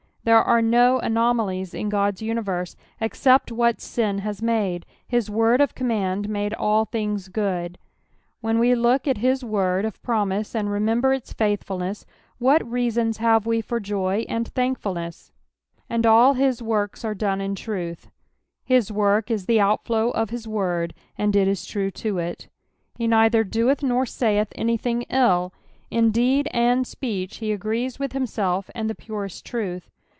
There are no anomalies in God's universe, except what sin has made ; his word of command made all things good. When we look at his word of promise, and remember its faithfulness, what reasons have we for joy and thankfulness I " And nil his taorks ara done in tratA.''^ Ills work is the outflow of his word, and it is true to it. He neither doth nor ssith anything ill ; in deed and speech he agrees with himself and the purest truth.